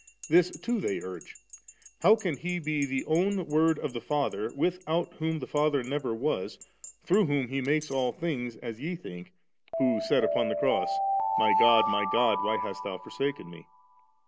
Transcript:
This too they urge ;" How can He be the own Word of the Father, without whom the Father never was, through whom He makes all things, as ye think, who said upon the Cross, • My God, My God, why hast Thou forsaken Me?'